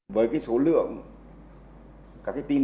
với số lượng các tin bài tăng